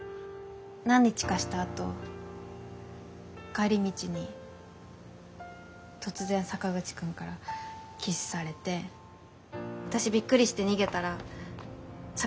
何日かしたあと帰り道に突然坂口くんからキスされて私びっくりして逃げたら坂口くんすごく怒って。